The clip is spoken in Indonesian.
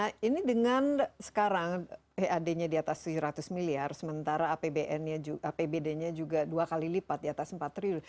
nah ini dengan sekarang pad nya di atas tujuh ratus miliar sementara apbd nya juga dua kali lipat di atas empat triliun